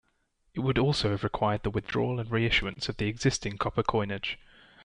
It would also have required the withdrawal and reissuance of the existing copper coinage.